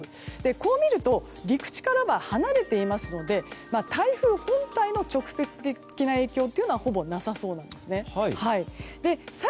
こう見ると陸地からは離れていますので台風本体の直接的な影響はほぼなさそうなんですね。